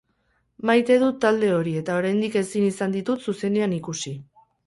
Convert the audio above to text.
Maite dut talde hori, eta oraindik ezin izan ditut zuzenean ikusi.